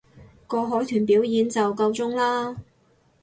個海豚表演就夠鐘喇